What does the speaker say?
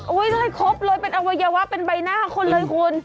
เลยครบเลยเป็นอวัยวะเป็นใบหน้าคนเลยคุณ